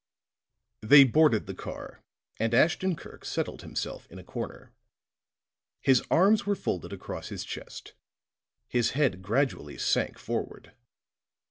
They boarded the car and Ashton Kirk settled himself in a corner. His arms were folded across his chest, his head gradually sank forward.